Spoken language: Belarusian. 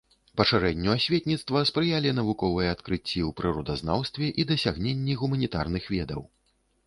Пашырэнню асветніцтва спрыялі навуковыя адкрыцці ў прыродазнаўстве і дасягненні гуманітарных ведаў.